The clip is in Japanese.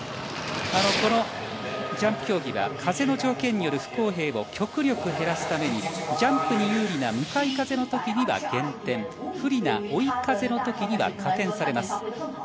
このジャンプ競技は風の条件による不公平を極力減らすためにジャンプに有利な向かい風のときには減点不利な追い風のときには加点されます。